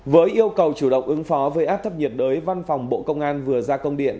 với yêu cầu chủ động ứng phó với áp thấp nhiệt đới văn phòng bộ công an vừa ra công điện